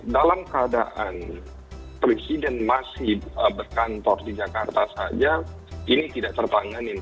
dalam keadaan presiden masih berkantor di jakarta saja ini tidak tertanganin